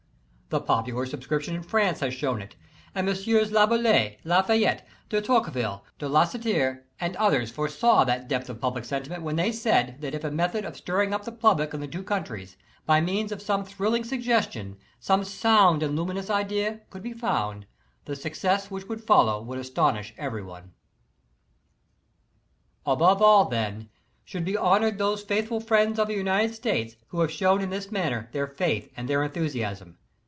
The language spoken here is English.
The popular subscription in France has shown it, and Messieurs Laboulaye, Lafayette, De Tocqueville, De Las teyrie and others foresaw that depth of public sentiment when they said, that if a method of stirring up the public in the two countries, by means of some thrilling sugges tion, some sound and luminous idea, could be found, the success which would follow would astonish every one. Above all, then, should be honored those faithful friends of the United States, who have shown in this matter their faith and their enthusiasm.